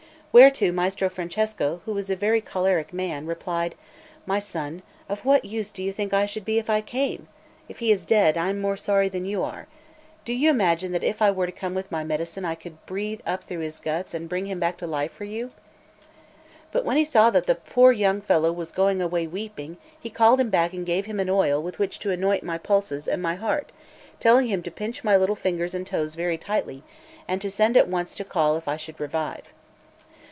Whereto Maestro Francesco, who was a very choleric man, replied: "My son, of what use do you think I should be if I came? If he is dead, I am more sorry than you are. Do you imagine that if I were to come with my medicine I could blow breath up through his guts and bring him back to life for you?" But when he saw that the poor young fellow was going away weeping, he called him back and gave him an oil with which to anoint my pulses, and my heart, telling him to pinch my little fingers and toes very tightly, and to send at once to call him if I should revive.